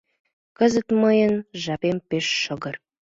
— Кызыт мыйын жапем пеш шыгыр.